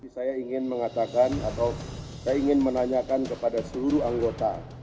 saya ingin mengatakan atau saya ingin menanyakan kepada seluruh anggota